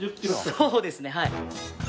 そうですねはい。